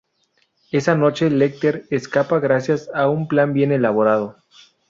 Esa noche Lecter escapa gracias a un plan bien elaborado.